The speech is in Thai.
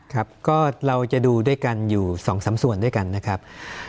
ครับก็เราจะดูด้วยกันอยู่๒๓ส่วนด้วยกันนะครับ